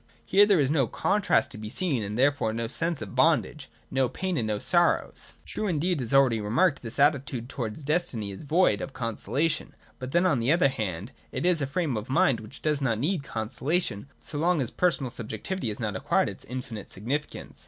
Here there is no contrast to be seen, and therefore no sense of bondage, no pain, and no sorrow. True, indeed, as already remarked, this attitude towards destiny is void of consolation. But then, on 270 THE DOCTRINE OF ESSENCE. [i47 the other hand, it is a frame of mind which does not need consolation, so long as personal subjectivity has not acquired its infinite significance.